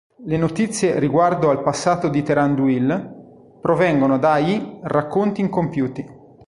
Le notizie riguardo al passato di Thranduil provengono da i "Racconti incompiuti".